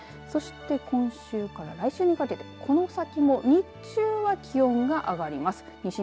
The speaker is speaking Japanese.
そして今週から来週にかけてこの先も日中は気温が上がります。